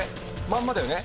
まんまだよね？